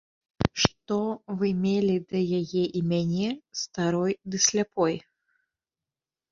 Што вы мелі да яе і мяне, старой ды сляпой?